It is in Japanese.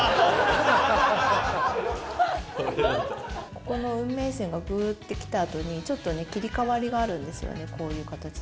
ここの運命線がぐーってきた後に切り替わりがあるんですよねこういう形で。